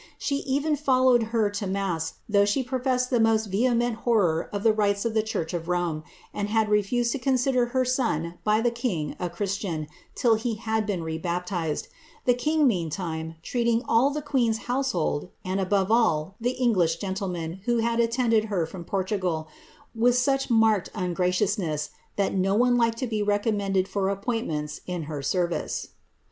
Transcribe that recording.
She even followed her to mass,' though she professed the most vehement horror of the rites of the church of Rome, and had re fused to consider her son by the king a Christian, till he had been rp» baptized ; the king, meantime, treating all of the queen^s household, aad, above all, the Eliiglish gentlemen who had attended her from Portngil, with such marked ungraciousness, that no one liked to be recommended for appointments in her service.